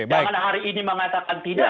jangan hari ini mengatakan tidak